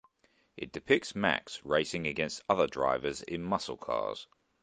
It depicts Max racing against other drivers in muscle cars.